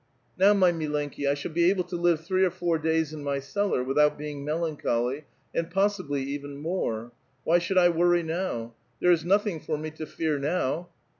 — Now, my mU ienJci^ I shall be able to live three or four days in my cellar "Vrithout being melancholy, and possibly even more. Why should I worry now ? There is nothing for me to fear now.